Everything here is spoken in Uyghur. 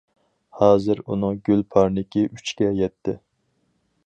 ھازىر ئۇنىڭ گۈل پارنىكى ئۈچكە يەتتى.